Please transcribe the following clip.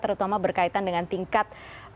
terutama berkaitan dengan tingkat